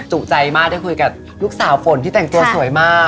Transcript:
จุใจมากได้คุยกับลูกสาวฝนที่แต่งตัวสวยมาก